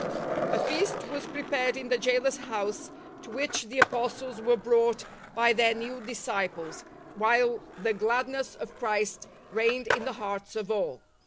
A feast was prepared in the gaoler's house to which the Apostles were brought by their new dis ciples, while the gladness of Christ reigned in the hearts of ail.